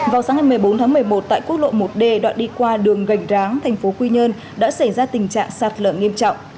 vào sáng ngày một mươi bốn tháng một mươi một tại quốc lộ một d đoạn đi qua đường gành ráng thành phố quy nhơn đã xảy ra tình trạng sạt lở nghiêm trọng